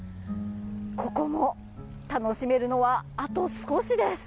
ここも楽しめるのはあと少しです。